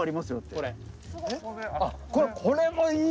これもいい！